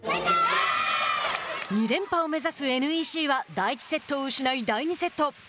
２連覇を目指すＮＥＣは第１セットを失い、第２セット。